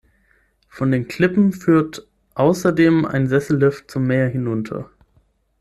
Von den Klippen führt außerdem ein Sessellift zum Meer hinunter.